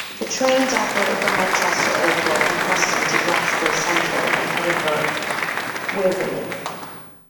The trains operate from Manchester Airport and Preston to Glasgow Central and Edinburgh Waverley.